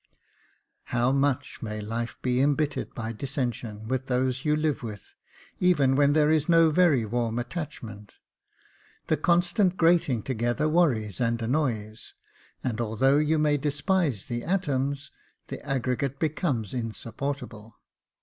How much may life be embittered by dissension with those you live with, even where there is no very warm attach ment ; the constant grating together worries and annoys, and although you may despise the atoms, the aggregate becomes insupportable.